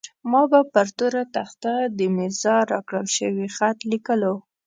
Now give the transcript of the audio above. ما به پر توره تخته د ميرزا راکړل شوی خط ليکلو.